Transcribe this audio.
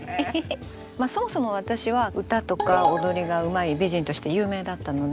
そもそも私は歌とか踊りがうまい美人として有名だったのね。